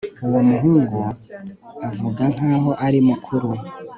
Uwo muhungu avuga nkaho ari mukuru